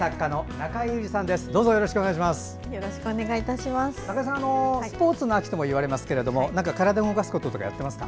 中江さんは、スポーツの秋とも言われますけど何か体を動かすこととかやっていますか？